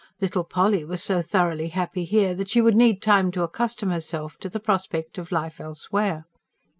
Little Polly was so thoroughly happy here that she would need time to accustom herself to the prospect of life elsewhere.